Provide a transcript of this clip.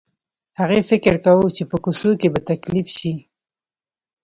هغې فکر کاوه چې په کوڅو کې به تکليف شي.